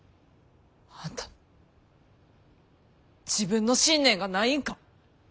あんた自分の信念がないんか。